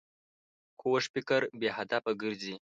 کوږ فکر بې هدفه ګرځي